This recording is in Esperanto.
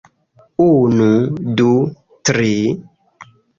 Unu... du... tri...